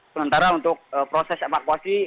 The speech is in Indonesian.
sementara untuk proses evakuasi